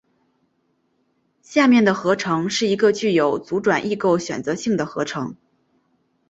下面的合成是一个具有阻转异构选择性的合成。